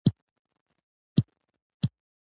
سبا سهار کله چې دوی فضايي لوبه پای ته ورسوله